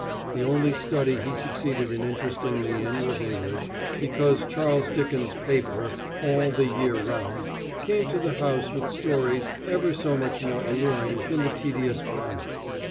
The only study he succeeded in interesting me in was English, because Charles Dickens's paper, All the Year Round, came to the house with stories ever so much more alluring than the tedious grammar.